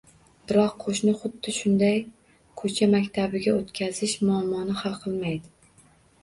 Biroq qo‘shni, xuddi shunday “ko‘cha” maktabiga o‘tkazish, muammoni hal qilmaydi.